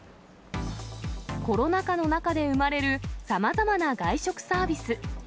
コロナ禍の中で生まれる、さまざまな外食サービス。